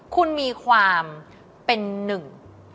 คุณมีความเป็นหนึ่ง